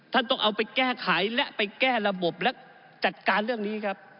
ต้องเอาไปแก้ไขและไปแก้ระบบและจัดการเรื่องนี้ครับ